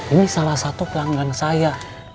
ini salah satu pelanggan saya